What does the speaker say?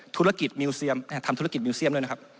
ธุรกิจมิวเซียมทำธุรกิจมิวเซียมด้วยนะครับ